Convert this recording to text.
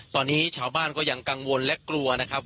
ตอนนี้ชาวบ้านก็ยังกังวลและกลัวนะครับ